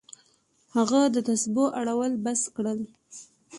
هغه د تسبو اړول بس کړل.